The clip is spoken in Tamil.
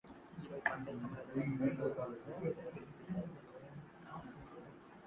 இவை பண்டைத் தமிழரிடம் இருந்தனவாகக் குறிப்பில்லை.